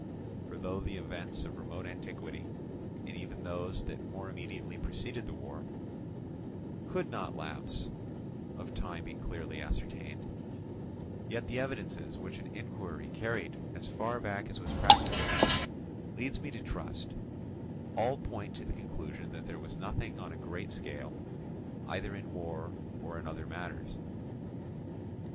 For though the events of remote antiquity, and even those that more immediately preceded the war, could not from lapse of time be clearly ascertained, yet the evidences which an inquiry carried as far back as was practicable leads me to trust, all point to the conclusion that there was nothing on a great scale, either in war or in other matters.